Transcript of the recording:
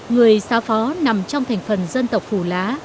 người xa phó nằm trong thành phần dân tộc phù lá